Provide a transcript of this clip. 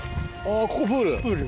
ここプール？